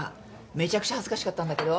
めちゃくちゃ恥ずかしかったんだけど？